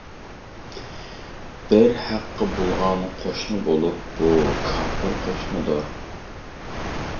بىر ھەققى بولغان قوشنا بولۇپ، بۇ كاپىر قوشنىدۇر.